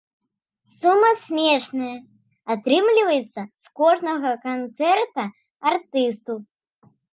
Сума смешная атрымліваецца з кожнага канцэрта артысту.